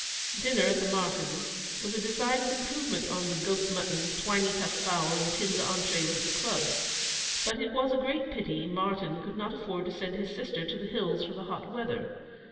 Dinner at the Martyns' was a decided improvement on the goat mutton, twiney tough fowl, and tinned entrees of the Club. But it was a great pity Martyn could not afford to send his sister to the Hills for the hot weather.